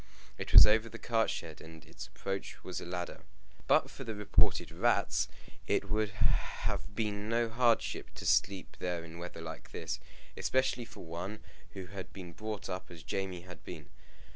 It was over the cart shed, and its approach was a ladder. But for the reported rats, it would have been no hardship to sleep there in weather like this, especially for one who had been brought up as Jamie had been.